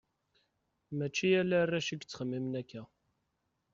Mačči ala arrac i yettxemmimen akka.